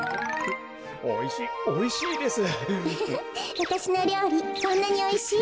わたしのりょうりそんなにおいしい？